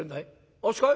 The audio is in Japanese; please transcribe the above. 「あっしかい？